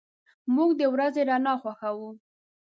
موږ د ورځې رڼا خوښو.